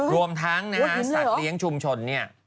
รวมทั้งสัตว์เลี้ยงชุมชน